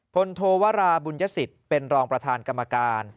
โทวราบุญยสิทธิ์เป็นรองประธานกรรมการ